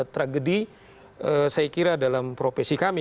tragedi saya kira dalam profesi kami